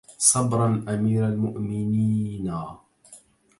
صبرا أمير المؤمنينا